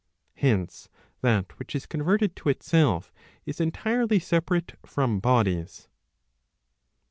Hence, that which is converted to itself, is entirely separate from bodies.